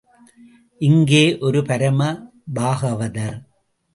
இங்கே ஒரு பரம பாகவதர்.